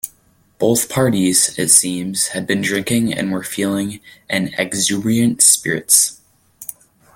Both parties, it seems, had been drinking and were feeling in exuberant spirits.